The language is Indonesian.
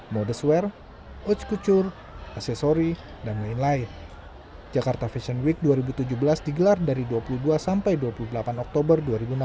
modusware kucur aksesori dan lain lain jakarta fashion week dua ribu tujuh belas digelar dari dua puluh dua sampai dua puluh delapan oktober